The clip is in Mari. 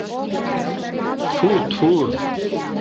Тфу-тфу!